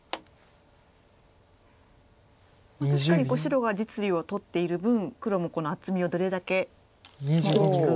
確かに白が実利を取っている分黒もこの厚みをどれだけ大きく。